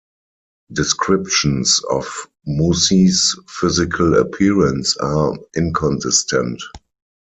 Descriptions of Mussie's physical appearance are inconsistent.